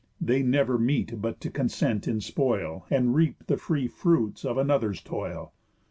They never meet but to consent in spoil, And reap the free fruits of another's toil.